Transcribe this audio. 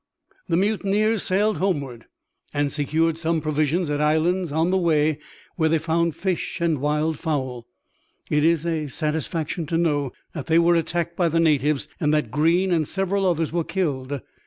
The mutineers sailed homeward and secured some provisions at islands on the way where they found fish and wild fowl. It is a satisfaction to know that they were attacked by the natives and that Greene and several others were killed.